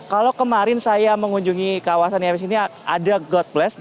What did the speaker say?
kalau kemarin saya mengunjungi kawasan ims ini ada god plus